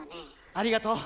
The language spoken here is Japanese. ありがとう。